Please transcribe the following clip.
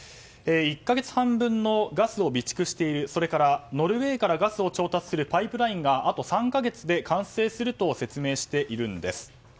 １か月半のガスを備蓄しているそれからノルウェーからガスを調達するパイプラインがあと３か月で完成すると説明しているんです。